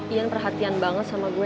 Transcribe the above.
ian perhatian banget sama gue